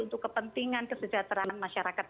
untuk kepentingan kesejahteraan masyarakat